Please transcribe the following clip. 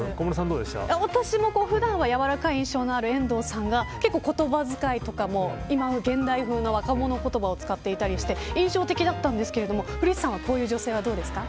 私も、普段はやわらかい印象のある遠藤さんが言葉遣いとかも、現代風の若者言葉を使っていたりして印象的だったんですけど古市さんはこういう女性はどうですか。